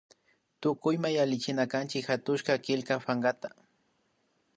Tukuyma yallichinakanchik hatushka killka pankata